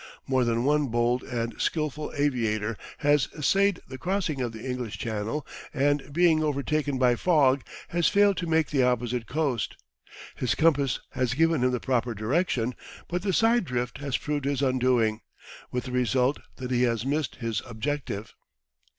More than one bold and skilful aviator has essayed the crossing of the English Channel and, being overtaken by fog, has failed to make the opposite coast. His compass has given him the proper direction, but the side drift has proved his undoing, with the result that he has missed his objective.